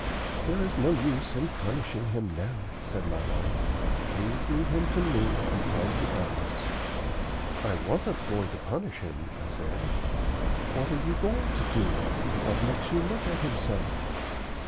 "There is no use in punishing him now," said my wife. "Please leave him to me and find the others." "I wasn't going to punish him," I said. "What are you going to do? What makes you look at him so?"